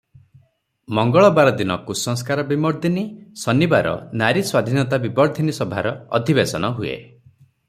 ମଙ୍ଗଳବାର ଦିନ 'କୁସଂସ୍କାର-ବିମର୍ଦ୍ଦିନି' ଶନିବାର 'ନାରୀସ୍ୱାଧୀନତା-ବିବର୍ଦ୍ଧିନୀ' ସଭାର ଅଧିବେଶନ ହୁଏ ।